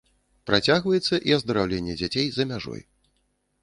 Працягваецца і аздараўленне дзяцей за мяжой.